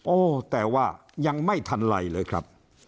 โอ้แต่ว่ายังไม่ทันไรเลยครับ